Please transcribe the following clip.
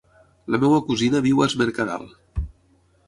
La meva cosina viu a Es Mercadal.